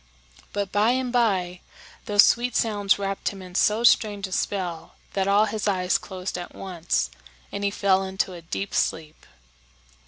But by and by those sweet sounds wrapped him in so strange a spell that all his eyes closed at once, and he fell into a deep sleep.